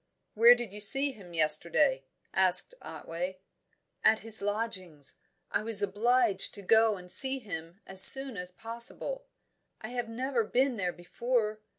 "Where did you see him yesterday?" asked Otway. "At his lodgings. I was obliged to go and see him as soon as possible. I have never been there before.